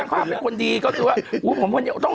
คนดีสีสัง